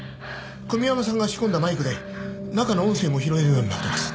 小宮山さんが仕込んだマイクで中の音声も拾えるようになってます。